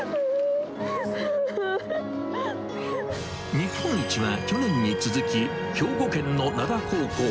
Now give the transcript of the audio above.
日本一は去年に続き、兵庫県の灘高校。